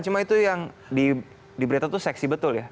cuma itu yang di berita tuh seksi betul ya